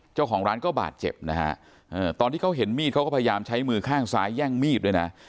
เจ้าของร้านก็บาดเจ็บนะฮะตอนที่เขาเห็นมีดเขาก็พยายามใช้มือข้างซ้ายแย่งมีดด้วยนะ